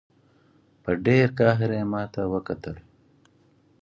په ډېر قهر یې ماته وکتل.